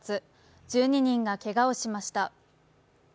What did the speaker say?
１２人がけがをしました。